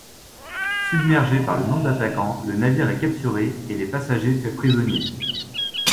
Submergé par le nombre d’attaquants le navire est capturé et les passagers faits prisonniers.